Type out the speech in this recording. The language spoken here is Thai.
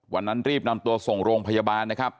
วันนั้นรีบนำตัวส่งโรงพยาบาลนะครับ